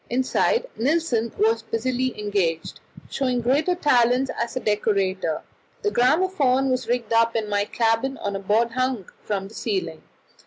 Inside Nilsen was busily engaged, showing great talents as a decorator. The gramophone was rigged up in my cabin on a board hung from the ceiling.